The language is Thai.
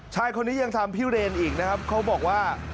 ชายคนนี้ยังทำพิเรนอีกนะครับเขาบอกว่า